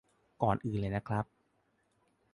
ก่อนอื่นเลยนะครับ